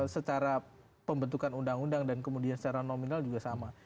secara pembentukan undang undang dan kemudian secara nominal juga sama